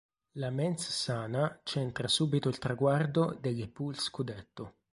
La Mens Sana centra subito il traguardo delle poule scudetto.